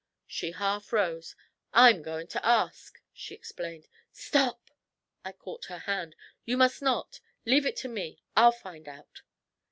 She half rose. 'I'm goin' to ask,' she explained. 'Stop!' I caught her hand. 'You must not! Leave it to me; I'll find out.'